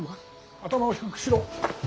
頭を低くしろ。